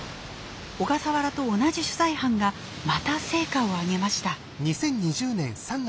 小笠原と同じ取材班がまた成果を上げました。